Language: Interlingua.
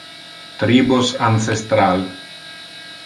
tribos ancestral.